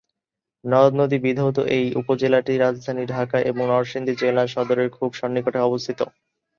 নদ-নদী বিধৌত এই উপজেলাটি রাজধানী ঢাকা ও নরসিংদী জেলা সদরের খুব সন্নিকটে অবস্থিত।